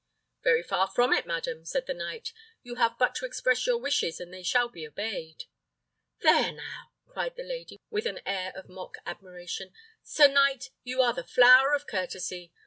"Very far from it, madam," said the knight; "you have but to express your wishes, and they shall be obeyed." "There now!" cried the lady, with an air of mock admiration; "sir knight, you are the flower of courtesy!